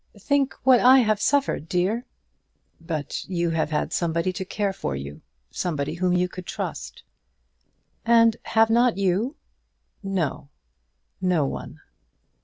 "Think what I have suffered, dear." "But you have had somebody to care for you, somebody whom you could trust." "And have not you?" "No; no one."